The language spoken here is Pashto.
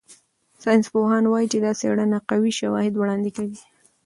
ساینسپوهان وايي چې دا څېړنه قوي شواهد وړاندې کوي.